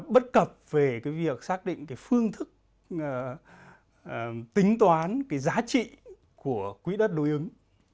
bất cập về việc xác định phương thức tính toán giá trị của quỹ đất đối ứng